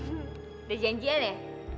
udah janjian ya